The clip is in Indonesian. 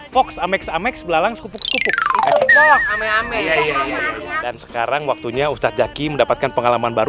fox amex amex belalang skupuk skupuk sekarang waktunya ustadz zaki mendapatkan pengalaman baru